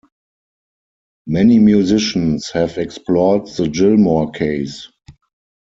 Many musicians have explored the Gilmore case.